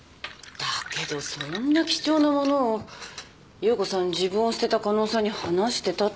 だけどそんな貴重なものを夕子さん自分を捨てた加納さんに話してたってこと？